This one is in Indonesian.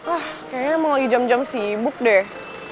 ah kayaknya emang lagi jam jam sibuk deh